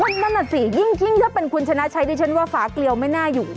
นั่นน่ะสิยิ่งถ้าเป็นคุณชนะชัยดิฉันว่าฝาเกลียวไม่น่าอยู่